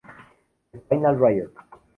The Final Riot!